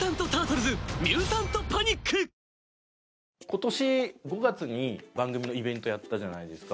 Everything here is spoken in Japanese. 今年５月に番組のイベントやったじゃないですか。